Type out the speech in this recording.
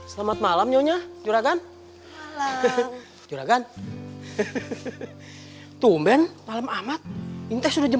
selamat malam nyonya juragan juragan tumben malam amat ini sudah jam sebelas